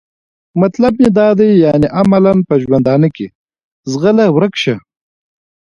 مطلب مې دا دی یعنې عملاً په ژوندانه کې؟ ځغله ورک شه.